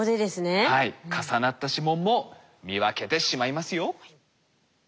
はい重なった指紋も見分けてしまいますよ。